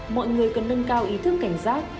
mọi người cần nâng cao ý thức cảnh giác